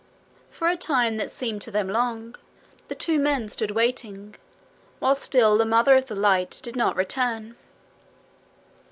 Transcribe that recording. For a time that seemed to them long, the two men stood waiting, while still the Mother of Light did not return.